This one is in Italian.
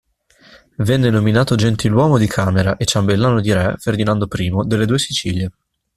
Venne nominato Gentiluomo di Camera e Ciambellano di re Ferdinando I delle Due Sicilie.